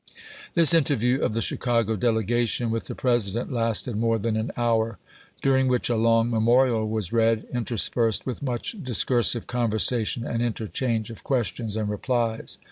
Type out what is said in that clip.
This interview of the CMcago delegation v^ith the President lasted more than an hour, during which a long memorial was read, interspersed with much discursive conversation and interchange of questions and replies.